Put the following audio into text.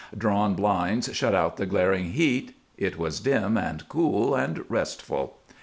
Drawn blinds shut out the glaring heat; it was dim and cool and restful.